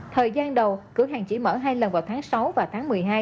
thời gian đầu cửa hàng chỉ mở hai lần vào tháng sáu và tháng một mươi hai